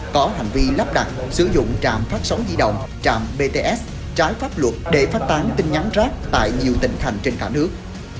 có hành vi lắp đặt sử dụng trạm phát sóng di động trạm bts trái pháp luật để phát tán tin nhắn rác tại nhiều tỉnh thành trên cả nước